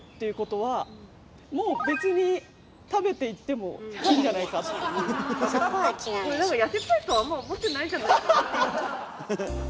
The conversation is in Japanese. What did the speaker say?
いうことはもう別に食べていってもいいんじゃないかっていう。